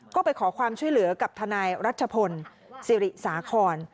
ก็ไปขอความช่วยเหลือกับทนายรัชพลสิริสาคร